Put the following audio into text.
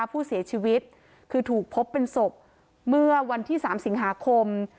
ผู้เสียชีวิตคือถูกพบเป็นศพเมื่อวันที่๓สิงหาคม